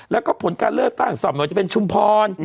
แล้วก็ผลการเลือกตั้งซ่อมมันจะเป็นชุมพร